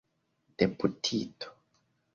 deputito